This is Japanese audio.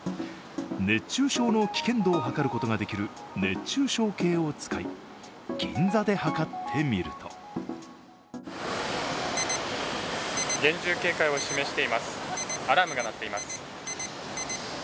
熱中症の危険度を測ることができる熱中症計を使い銀座で計ってみると厳重警戒を示しています、アラームが鳴っています。